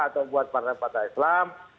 atau buat partai partai islam